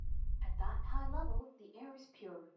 At that high level the air is pure.